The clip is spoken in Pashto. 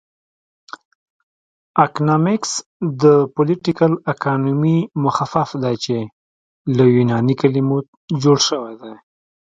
اکنامکس د پولیټیکل اکانومي مخفف دی چې له یوناني کلمو جوړ شوی دی